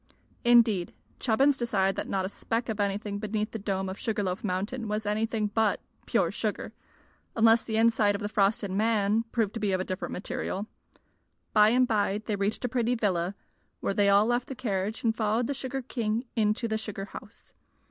Indeed, Chubbins decided that not a speck of anything beneath the dome of Sugar Loaf Mountain was anything but pure sugar unless the inside of the frosted man proved to be of a different material. By and by they reached a pretty villa, where they all left the carriage and followed the sugar king into the sugar house.